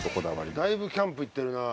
だいぶキャンプ行ってるな。